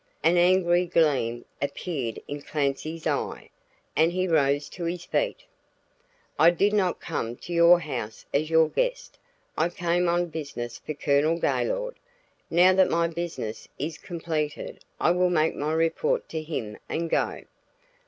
An angry gleam appeared in Clancy's eye and he rose to his feet. "I did not come to your house as your guest. I came on business for Colonel Gaylord. Now that my business is completed I will make my report to him and go."